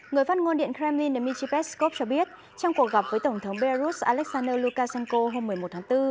người phát ngôn điện kremlin dmitry peskov cho biết trong cuộc gặp với tổng thống belarus alexander lukashenko hôm một mươi một tháng bốn